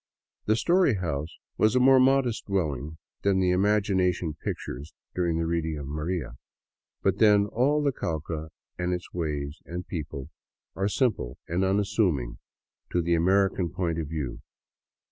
The " story house " was a more modest dwelling than the imagina tion pictures during the reading of *' Maria." But then, all the Cauca and its ways and people are simple and unassuming to the American point of view.